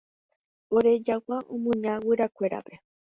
Ore jagua omuña guyrakuérape.